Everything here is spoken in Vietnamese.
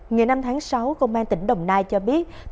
ngày năm tháng sáu công an tỉnh đồng nai cho biết